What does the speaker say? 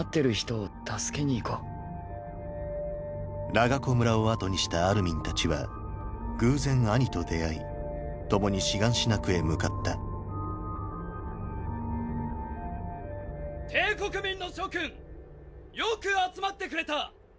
ラガコ村を後にしたアルミンたちは偶然アニと出会い共にシガンシナ区へ向かった帝国民の諸君よく集まってくれた！！